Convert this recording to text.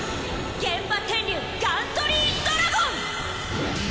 幻刃天竜ガントリー・ドラゴン！